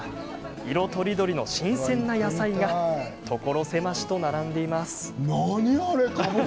色とりどりの新鮮な野菜が所狭しと並んでいます。